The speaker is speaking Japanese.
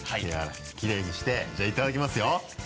きれいにしてじゃあいただきますよ。